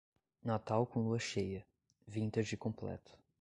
Natal com lua cheia, vintage completo.